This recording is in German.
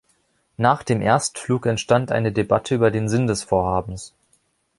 Nach dem Erstflug entstand eine Debatte über den Sinn des Vorhabens.